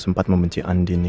sampai jumpa di video selanjutnya